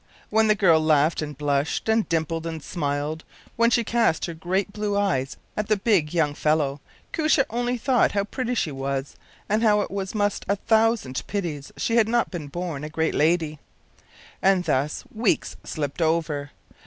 When the girl laughed and blushed and dimpled and smiled, when she cast her great blue eyes at the big young fellow, Koosje only thought how pretty she was, and it was just a thousand pities she had not been born a great lady. And thus weeks slipped over.